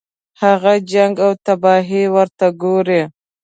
هغه جنګ او تباهي ورته ګوري.